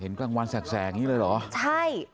เห็นแหวนแส่ย่างงี้เลยเหรอใช่